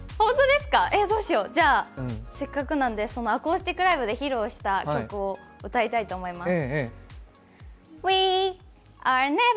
じゃせっかくなので、アコースティックで披露した曲を歌いたいと思います。